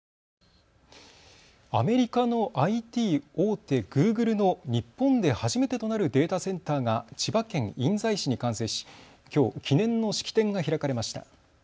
アメリカのＩＴ大手、グーグルの日本で初めてとなるデータセンターが千葉県印西市に完成し、きょう記念の式典が開かれました。